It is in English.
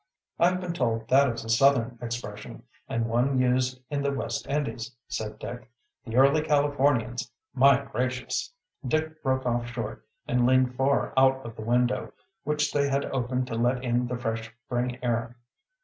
"I've been told that is a Southern expression, and one used in the West Indies," said Dick. "The early Californians My gracious!" Dick broke off short and leaned far out of the window, which they had opened to let in the fresh spring air.